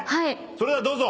それではどうぞ。